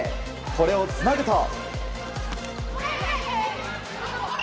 これをつなぐと。